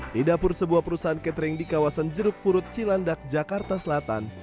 di dapur sebuah perusahaan catering di kawasan jeruk purut cilandak jakarta selatan